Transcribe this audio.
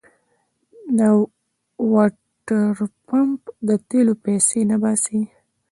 د واټرپمپ د تېلو پيسې نه باسي.